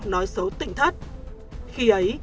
nói xấu tịnh thất khi ấy